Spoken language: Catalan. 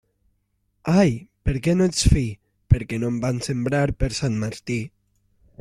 All, per què no ets fi? Perquè no em van sembrar per Sant Martí.